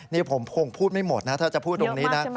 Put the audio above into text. นี่ผมคงพูดไม่หมดนะถ้าจะพูดตรงนี้นะ